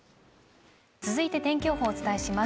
続いて天気予報お伝えします